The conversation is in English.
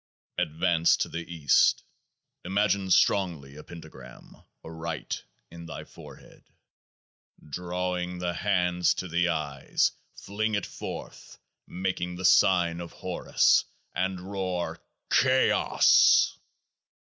Advance to the East. Imagine strongly a Pentagram, aright, in thy forehead. Draw ing the hands to the eyes, fling it forth, making the sign of Horus, and roar XAOC.